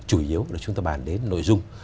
chủ yếu là chúng ta bàn đến nội dung